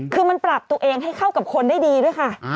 คือมันปรับตัวเองให้เข้ากับคนได้ดีด้วยค่ะ